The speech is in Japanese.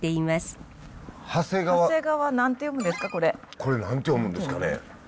これ何て読むんですかね？